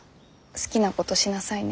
好きなことしなさいね。